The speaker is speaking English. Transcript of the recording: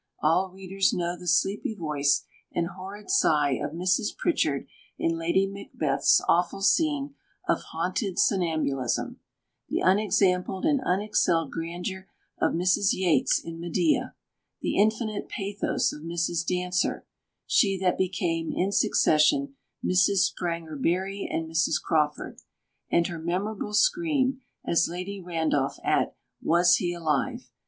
All readers know the sleepy voice and horrid sigh of Mrs. Pritchard in Lady Macbeth's awful scene of haunted somnambulism; the unexampled and unexcelled grandeur of Mrs. Yates in Medea; the infinite pathos of Mrs. Dancer (she that became in succession Mrs. Spranger Barry and Mrs. Crawford) and her memorable scream, as Lady Ran[Pg 375]dolph, at "Was he alive?"